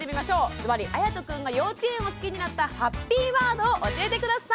ズバリあやとくんが幼稚園を好きになったハッピーワードを教えて下さい。